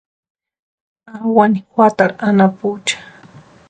Awani juatarhu anapucha.